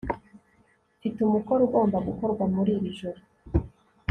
mfite umukoro ugomba gukorwa muri iri joro